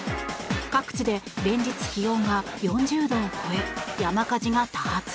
各地で連日、気温４０度を超え山火事が多発。